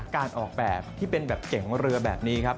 การออกแบบที่เป็นแบบเก๋งเรือแบบนี้ครับ